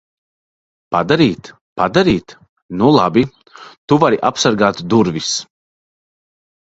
Padarīt? Padarīt? Nu labi. Tu vari apsargāt durvis.